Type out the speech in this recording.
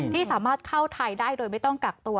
ที่สามารถเข้าไทยได้โดยไม่ต้องกักตัว